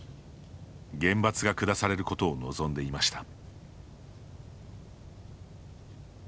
厳罰が下されることを望んでいました。